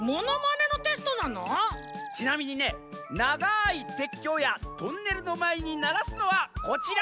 ちなみにねながいてっきょうやトンネルのまえにならすのはこちら。